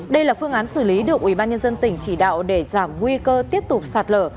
đây là phương án xử lý được ubnd tỉnh chỉ đạo để giảm nguy cơ tiếp tục sạt lở